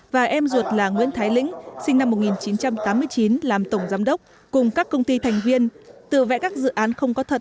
và em ruột là nguyễn thái lĩnh sinh năm một nghìn chín trăm tám mươi chín làm tổng giám đốc cùng các công ty thành viên tự vẽ các dự án không có thật